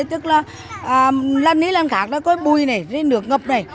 tức là lần này lần khác là có bùi này rồi nước ngập này